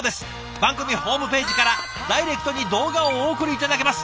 番組ホームページからダイレクトに動画をお送りいただけます。